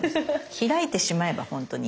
開いてしまえばほんとに。